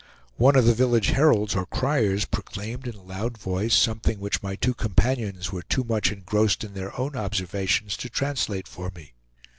One of the village heralds or criers proclaimed in a loud voice something which my two companions were too much engrossed in their own observations to translate for me.